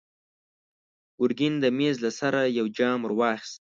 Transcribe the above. ګرګين د مېز له سره يو جام ور واخيست.